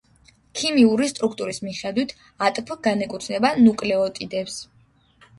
ქიმიური სტრუქტურის მიხედვით ატფ განეკუთნება ნუკლეოტიდებს.